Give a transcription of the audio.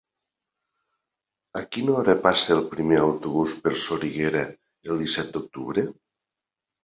A quina hora passa el primer autobús per Soriguera el disset d'octubre?